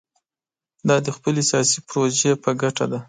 دا د خپلې سیاسي پروژې په ګټه ده.